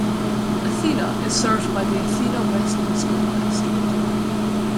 Athena is served by the Athena Weston School District.